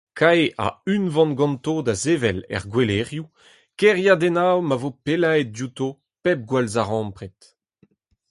Kae a-unvan ganto da sevel er gouelec'hioù kêriadennoù ma vo pellaet diouto pep gwallzarempred.